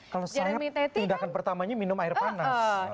kalau saya tindakan pertamanya minum air panas